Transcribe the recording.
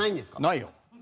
ないよ。